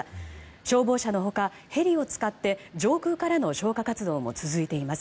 消防車の他、ヘリを使って上空からの消火活動も続いています。